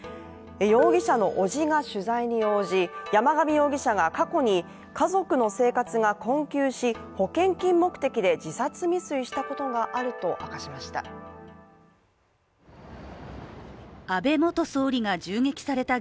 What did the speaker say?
容疑者のおじが取材に応じ、山上容疑者が過去に家族の生活が困窮し、保険金目的で自殺未遂したことがあると明かしました。